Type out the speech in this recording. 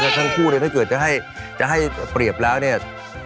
ทั้งคู่เนี่ยถ้าเกิดจะให้เปรียบแล้วเนี่ย